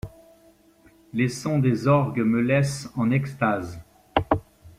Les sons des orgues me laissent en extase.